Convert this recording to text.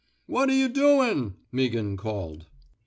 What 're yuh doin'? '' Meaghan called.